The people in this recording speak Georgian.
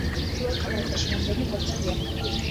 ვნახოთ, პირველ კალათაში რამდენი კვერცხია.